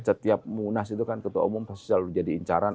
setiap munas itu kan ketua umum pasti selalu jadi incaran